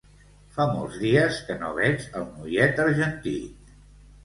Fa molts dies que no veig el noiet argentí